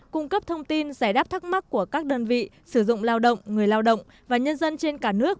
cung cấp thông tin giải đáp thắc mắc của các đơn vị sử dụng lao động người lao động và nhân dân trên cả nước